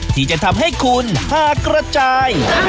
ที่จะทำให้คุณหากระจาย